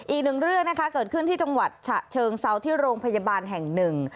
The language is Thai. อีกหนึ่งเรื่องนะคะเกิดขึ้นที่จังหวัดฉะเชิงเซาที่โรงพยาบาลแห่งหนึ่ง